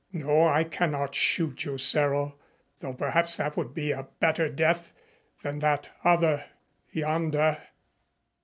No, I cannot shoot you, Cyril, though perhaps that would be a better death than that other yonder."